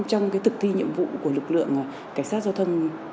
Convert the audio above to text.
trong thực thi nhiệm vụ của lực lượng cảnh sát giao thông